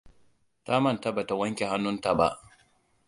Ta manta bata wanke hannun ta ba.